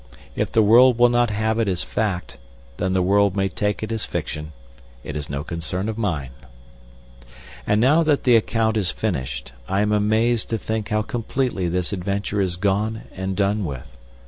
If the world will not have it as fact, then the world may take it as fiction. It is no concern of mine. And now that the account is finished, I am amazed to think how completely this adventure is gone and done with.